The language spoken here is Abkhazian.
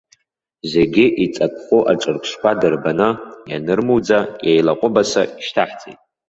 Зегьы иҵатәхәу аҿырԥшқәа дырбаны, ианырмуӡа иеилаҟәыбаса ишьҭаҳҵеит.